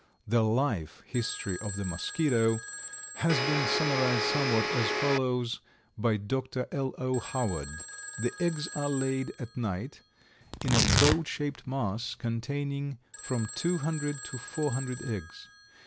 The life history of the Mosquito has been summarized somewhat as follows by Dr. L. O. Howard: The eggs are laid at night, in a boat shaped mass containing from two hundred to four hundred eggs.